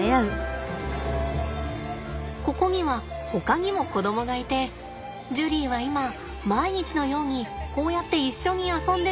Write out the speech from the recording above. ここにはほかにも子供がいてジュリーは今毎日のようにこうやって一緒に遊んでるんですって。